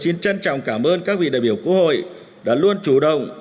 xin trân trọng cảm ơn các vị đại biểu quốc hội đã luôn chủ động